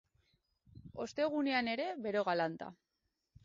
Ostegunean ere, bero galanta.